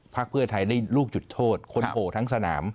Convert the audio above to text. เพื่อไทยได้ลูกจุดโทษคนโผล่ทั้งสนาม